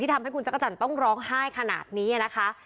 ทำให้คุณจักรจันทร์ต้องร้องไห้ขนาดนี้นะคะ